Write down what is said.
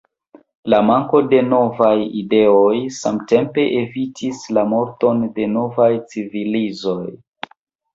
La manko de novaj ideoj samtempe evitis la morton de novaj civilizoj.